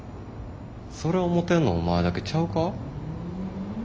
それ思てんのお前だけちゃうか？